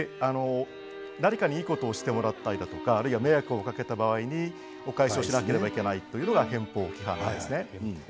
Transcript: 誰かにいいことをしてもらったり迷惑をかけた場合にお返しをしなければいけないというのが返報規範なんですね。